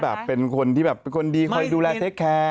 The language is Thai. แล้วก็เป็นคนที่ดูแลเทคแคร์